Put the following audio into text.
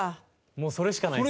もうそれしかないです。